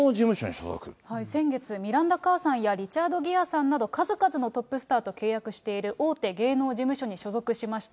先月、ミランダ・カーさんやリチャード・ギアさんなど、数々のトップスターと契約している大手芸能事務所に所属しました。